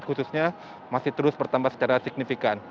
khususnya masih terus bertambah secara signifikan